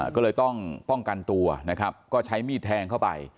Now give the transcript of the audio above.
ก็เลยต้องป้องกันตัวนะครับก็ใช้มีดแทงเข้าไป